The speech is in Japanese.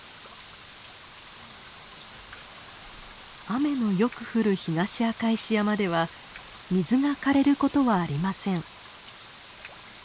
雨のよく降る東赤石山では水がかれることはありません。